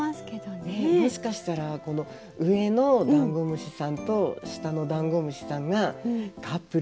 もしかしたらこの上のダンゴムシさんと下のダンゴムシさんがカップルなのかも。